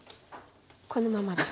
このままです。